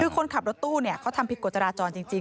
คือคนขับรถตู้เขาทำผิดกฎจราจรจริง